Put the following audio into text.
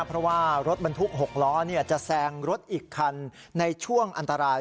เพราะว่ารถบรรทุก๖ล้อจะแซงรถอีกคันในช่วงอันตราย